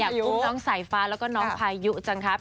อุ้มน้องสายฟ้าแล้วก็น้องพายุจังครับ